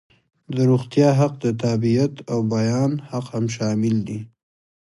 د روغتیا حق، د تابعیت او بیان حق هم شامل دي.